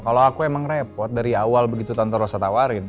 kalau aku emang repot dari awal begitu tanto rosa tawarin